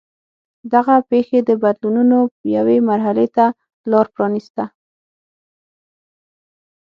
دغه پېښې د بدلونونو یوې مرحلې ته لار پرانېسته.